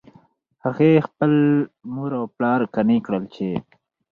هغې خپل مور او پلار قانع کړل چې